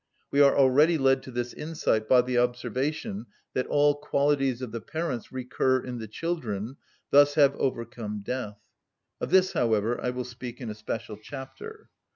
We are already led to this insight by the observation that all qualities of the parents recur in the children, thus have overcome death. Of this, however, I will speak in a special chapter.